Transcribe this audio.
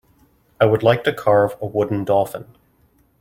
I would like to carve a wooden dolphin.